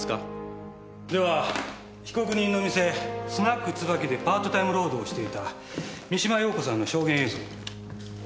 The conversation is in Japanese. では被告人の店「スナック椿」でパートタイム労働をしていた三島陽子さんの証言映像を。